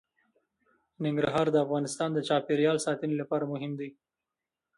ننګرهار د افغانستان د چاپیریال ساتنې لپاره مهم دي.